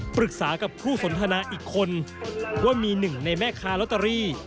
ปรึกษากับผู้สนทนาอีกคนว่ามีหนึ่งในแม่ค้าลอตเตอรี่